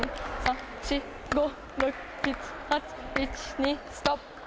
２、ストップ。